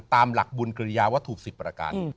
ตามหลักบุญเกรียวะถูก๑๐ประการ